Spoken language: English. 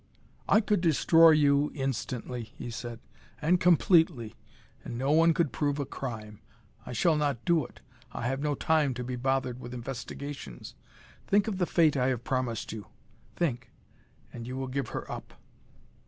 "I could destroy you instantly," he said, "and completely, and no one could prove a crime! I shall not do it. I have no time to be bothered with investigations. Think of the fate I have promised you. Think, and you will give her up!"